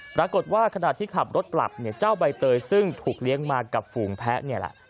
ปรากฏว่าขณะที่ขับรถกลับเนี่ยเจ้าใบเตยซึ่งถูกเลี้ยงมากับฝูงแพ้เนี่ยแหละ